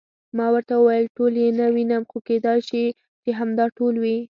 ما ورته وویل: ټول یې نه وینم، خو کېدای شي چې همدا ټول وي.